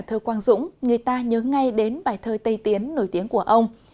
thơ quang dũng người ta nhớ ngay đến bài thơ tây tiến nổi tiếng của ông